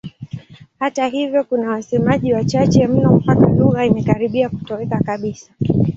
Hata hivyo kuna wasemaji wachache mno mpaka lugha imekaribia kutoweka kabisa.